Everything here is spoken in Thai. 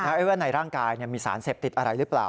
ว่าในร่างกายมีสารเสพติดอะไรหรือเปล่า